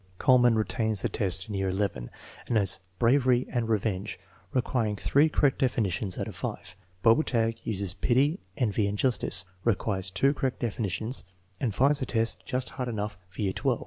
Kuhlmann retains the test in year XI and adds bravery and revenge, requiring three correct definitions out of five. Bobertag uses pity, envy, and justice, requires two correct definitions, and finds the test just hard enough for year XII.